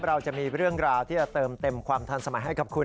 เราจะมีเรื่องราวที่จะเติมเต็มความทันสมัยให้กับคุณ